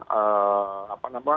dan apa namanya